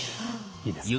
いいですか？